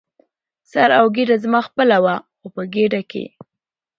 سر او ګېډه زما خپله وه، خو په ګېډه کې.